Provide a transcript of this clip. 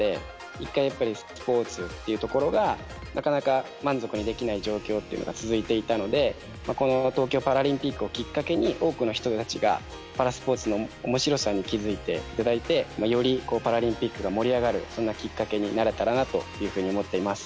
やっぱりスポーツというところがなかなか満足にできない状況というのが続いていたのでこの東京パラリンピックをきっかけに多くの人たちがパラスポーツの面白さに気付いて頂いてよりパラリンピックが盛り上がるそんなきっかけになれたらなというふうに思っています。